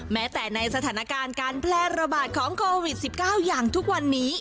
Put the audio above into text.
แม้แต่ในสถานการณ์การแพร่ระบาดของโควิด๑๙อย่างทุกวันนี้